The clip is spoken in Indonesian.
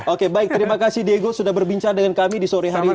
oke baik terima kasih diego sudah berbincang dengan kami di sore hari ini